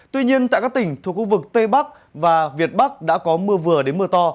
tuy nhiên tại các tỉnh thuộc khu vực tây bắc và việt bắc đã có mưa vừa đến mưa to